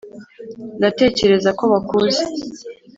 ndatekereza ko bakuzi